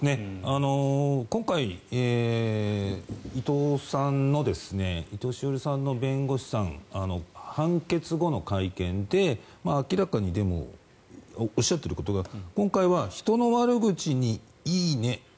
今回伊藤詩織さんの弁護士さん判決後の会見で、明らかにおっしゃっていることが今回は人の悪口に「いいね」と。